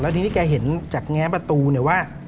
แล้วทีนี้แกเห็นจากแง้ประตูว่า